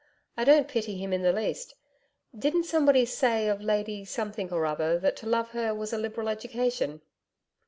I don't pity him in the least. Didn't somebody say of Lady Something or Other that to love her was a liberal education?'